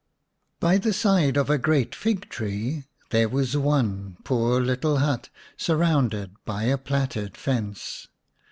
By the side of a great fig tree there was one poor little hut surrounded by a plaited fence.